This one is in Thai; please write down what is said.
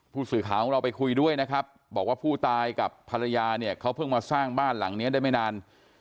ผู้สื่อข่าวของเราไปคุยด้วยนะครับบอกว่าผู้ตายกับภรรยาเนี่ยเขาเพิ่งมาสร้างบ้านหลังนี้ได้ไม่นาน